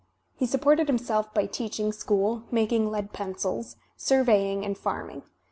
He supported himself by teach ing school, making lead pencils, surveying and farming.